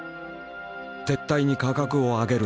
「絶対に価格を上げるな。